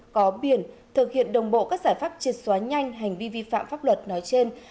có biển thực hiện đồng bộ các giải pháp triệt xóa nhanh hành vi vi phạm pháp luật nói trên